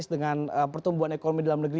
dengan pertumbuhan ekonomi dalam negeri